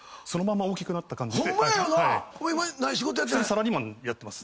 サラリーマンやってます。